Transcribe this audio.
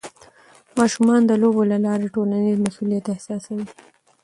ماشومان د لوبو له لارې ټولنیز مسؤلیت احساسوي.